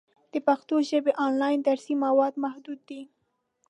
د پښتو ژبې آنلاین درسي مواد محدود دي.